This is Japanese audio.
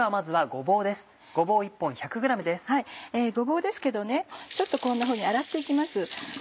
ごぼうですけどこんなふうに洗って行きます。